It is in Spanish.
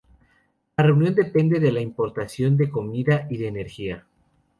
La Reunión depende de la importación de comida y de energía.